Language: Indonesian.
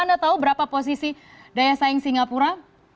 anda tahu berapa posisi daya saing singapura